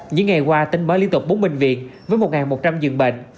những ngày qua tính mới liên tục bốn bệnh viện với một một trăm linh dường bệnh